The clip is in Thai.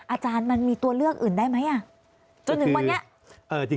อาจารย์มันมีตัวเลือกอื่นได้ไหมจนถึงวันนี้